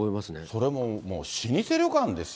それも、もう老舗旅館ですよ。